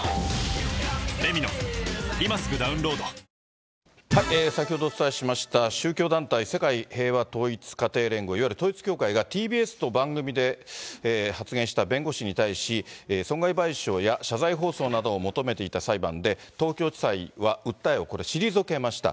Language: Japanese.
１抗菌先ほどお伝えしました、宗教団体世界平和統一家庭連合、いわゆる統一教会がＴＢＳの番組で発言した弁護士に対し、損害賠償や謝罪放送などを求めていた裁判で、東京地裁は訴えをこれ、退けました。